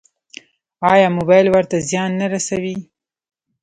ایا موبایل ورته زیان نه رسوي؟